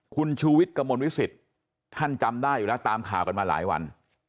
คุณชูวิทย์กระมวลวิสิตท่านจำได้อยู่แล้วตามข่าวกันมาหลายวัน